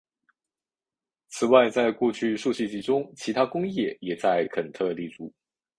此外在过去数世纪中其它工业也在肯特立足。